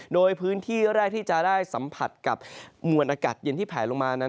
โดยพื้นที่แรกที่จะได้สัมผัสกับมวลอากาศเย็นที่แผลลงมานั้น